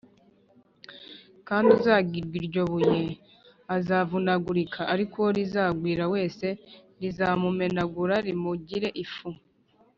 kandi uzagwira iryo buye azavunagurika, ariko uwo rizagwira wese, rizamumenagura rimugire ifu’